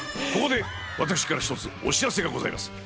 ここで私から一つお知らせがございます。